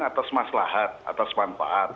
atas maslahat atas manfaat